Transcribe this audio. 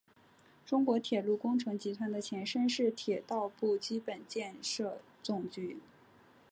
中国铁路工程集团的前身是铁道部基本建设总局。